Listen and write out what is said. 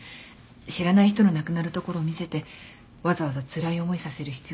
知らない人の亡くなるところを見せてわざわざつらい思いさせる必要ないって。